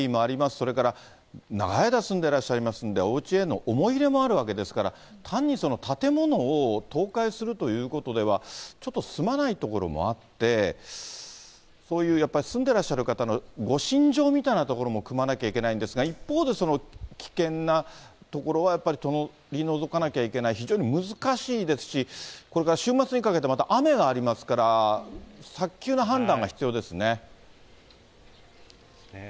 それから、長い間住んでいらっしゃいますんで、おうちへの思い入れもあるわけですから、単に建物を倒壊するということでは、ちょっと済まないところもあって、そういうやっぱり住んでらっしゃる方のご心情みたいなところもくまなきゃいけないんですが、一方で、その危険なところはやっぱり取り除かなきゃいけない、非常に難しいですし、これから週末にかけてまた雨がありますから、早急な判断が必要ですね。